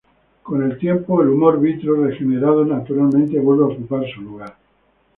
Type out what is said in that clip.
Con el tiempo, el humor vítreo regenerado naturalmente vuelve a ocupar su lugar.